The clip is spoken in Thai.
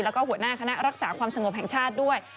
แล้วก็หัวหน้าคณะรักษาความสงบแห่งชาติด้วย